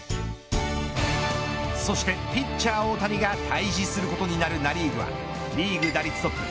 そしてピッチャー大谷が対峙することになるナ・リーグはリーグ打率トップ